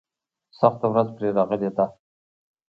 سخته ورځ پرې راغلې ده.